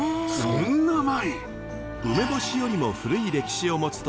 そんな前？